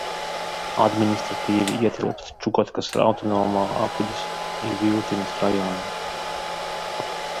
Administratīvi ietilpst Čukotkas autonomā apvidus Iviltinas rajonā.